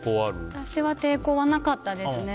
私は抵抗はなかったですね。